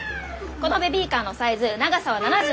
このベビーカーのサイズ長さは７５ｃｍ。